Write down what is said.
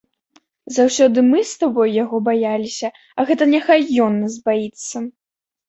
Заўсёды мы з табой яго баяліся, а гэта няхай ён нас баіцца.